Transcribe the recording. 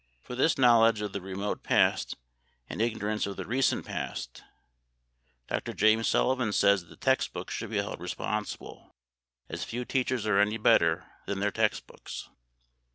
For this knowledge of the remote past and ignorance of the recent present, Dr. James Sullivan says that the text books should be held responsible, as few teachers are any better than their text books.